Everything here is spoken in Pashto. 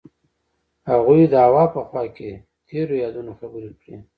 هغوی د هوا په خوا کې تیرو یادونو خبرې کړې.